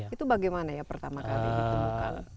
itu bagaimana ya pertama kali ditemukan